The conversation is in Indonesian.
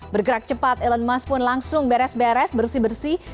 bergerak cepat elon musk pun langsung beres beres bersih bersih